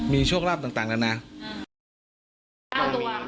มีโชคราบต่างในอนาคต